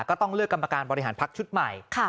ก็ต้องเลือกกรรมการบริหารพักชุดใหม่